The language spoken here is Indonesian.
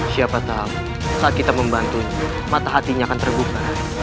siapa tahu saat kita membantunya mata hatinya akan tergubah